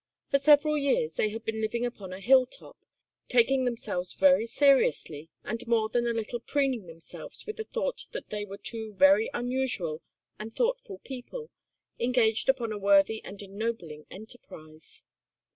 For several years they had been living upon a hill top, taking themselves very seriously and more than a little preening themselves with the thought that they were two very unusual and thoughtful people engaged upon a worthy and ennobling enterprise.